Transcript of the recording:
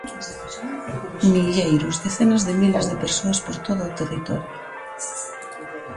Milleiros, decenas de miles de persoas por todo o territorio.